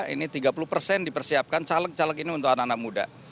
ini tiga puluh persen dipersiapkan caleg caleg ini untuk anak anak muda